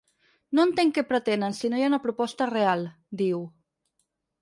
No entenc què pretenen, si no hi ha una proposta real, diu.